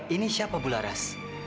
ini siapa bularas